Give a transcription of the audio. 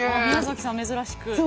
宮崎さん珍しく。